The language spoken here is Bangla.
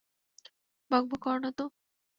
বকবক করো না তো!